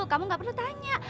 kamu gak perlu tanya